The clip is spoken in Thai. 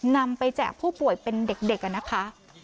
นำไปแจกผู้ป่วยเป็นเด็กนะคะ